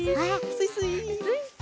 スイスイスイスイ。